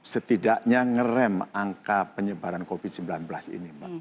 setidaknya ngerem angka penyebaran covid sembilan belas ini mbak